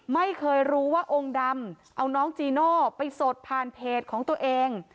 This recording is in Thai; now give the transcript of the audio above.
ไม่เคยรู้ว่าองค์ดำเอาน้องจีโน่ไปสดผ่านเพจของตัวเอง